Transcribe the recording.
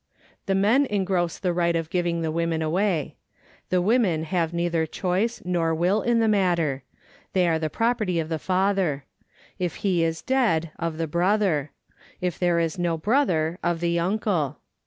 The men engross the right of giving the women ;i\v;iy ; the women have neither choice nor will in the matter ; they are the property of the father ; if he is dead, of the brother ; if there is no brother, of the uncle.